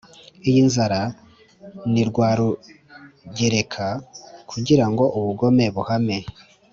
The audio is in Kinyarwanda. «iyi nzara ni rwarugereka, kugirango ubugome buhame.